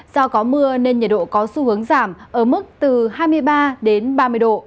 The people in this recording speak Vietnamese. do có mưa nên nhiệt độ có xu hướng giảm ở mức từ hai mươi ba đến ba mươi độ